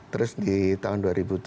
terus di tahun dua ribu tujuh